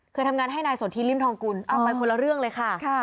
เคยทำงานให้นายสนทิริมทองกุลเอาไปคนละเรื่องเลยค่ะ